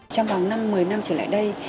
trong vòng năm một mươi năm trở lại đây